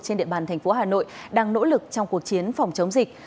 trên địa bàn thành phố hà nội đang nỗ lực trong cuộc chiến phòng chống dịch